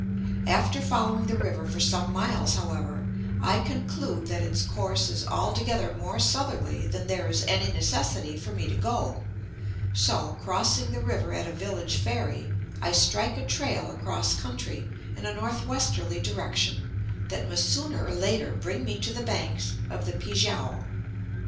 After following the river for some miles, however, I conclude that its course is altogether more southerly than there is any necessity for me to go; so, crossing the river at a village ferry, I strike a trail across country in a north westerly direction that must sooner or later bring me to the banks of the Pi kiang.